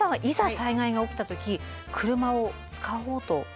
災害が起きた時車を使おうと思いますか？